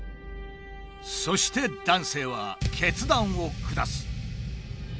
そして男性は決断を下す。